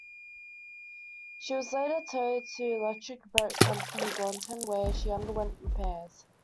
She was later towed to Electric Boat Company, Groton, where she underwent repairs.